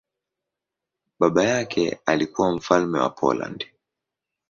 Baba yake alikuwa mfalme wa Poland.